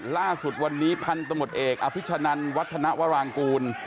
ล่าสุดวันนี้พันธมตเอกอภิชนันวัฒนวรางกูล